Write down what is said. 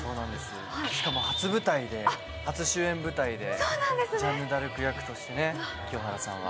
しかも、初舞台で初主演舞台でジャンヌ役として清原さんは。